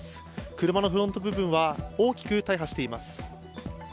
車のフロント部分は大きく大破しています。